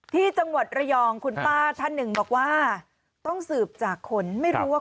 ที่จังหวัดระยองคุณป้าท่านหนึ่งบอกว่าต้องสืบจากคนไม่รู้ว่า